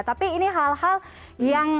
tapi ini hal hal yang